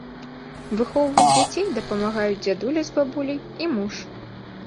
Выхоўваць дзяцей дапамагаюць дзядуля з бабуляй і муж.